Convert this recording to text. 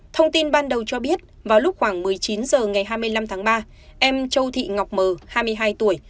thông tin ban đầu cho biết vào lúc khoảng một mươi chín h ngày hai mươi năm tháng ba em châu thị ngọc mờ hai mươi hai tuổi